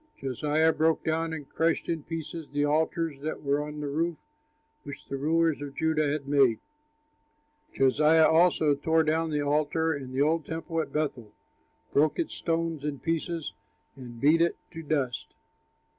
Josiah broke down and crushed in pieces the altars that were on the roof, which the rulers of Judah had made. Josiah also tore down the altar and the old temple at Bethel, broke its stones in pieces, and beat it to dust.